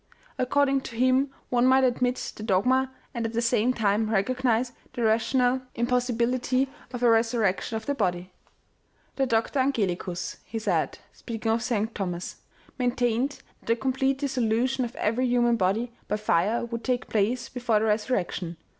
According to him one OMEGA. 129 might admit the dogma, and at the same time recognize the rational impossibility of a resurrection of the body !" The Doctor Angelicas, " he said, speaking of St. Thomas, " maintained that the complete dissolution of every human body by fire would take place before the resurrection.